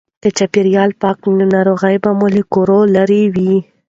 که چاپیریال پاک وي نو ناروغۍ به زموږ له کوره لیري وي.